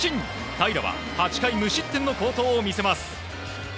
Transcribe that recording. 平良は８回無失点の好投を見せます。